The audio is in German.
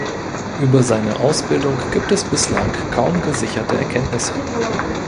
Über seine Ausbildung gibt es bislang kaum gesicherte Erkenntnisse.